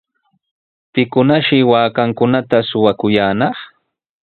¿Pikunashi waakankunata shuwakuyaanaq?